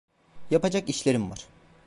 Yapacak işlerim var.